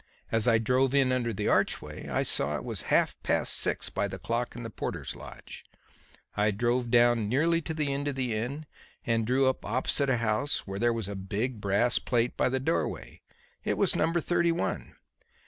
As I drove in under the archway, I saw it was half past six by the clock in the porter's lodge. I drove down nearly to the end of the inn and drew up opposite a house where there was a big brass plate by the doorway. It was number thirty one.